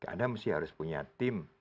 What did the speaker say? anda mesti harus punya tim